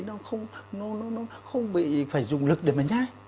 nó không phải dùng lực để mà nhai